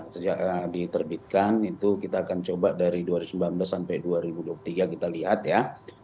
sejak diterbitkan itu kita akan coba dari dua ribu sembilan belas sampai dua ribu dua puluh tiga kita lihat ya